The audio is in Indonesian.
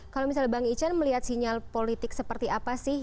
kalau misalnya bang ican melihat sinyal politik seperti apa sih